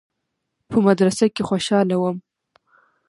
په مدرسه کښې خوشاله وم.